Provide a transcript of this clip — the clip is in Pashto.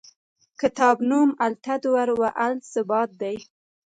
کتاب نوم التطور و الثبات دی.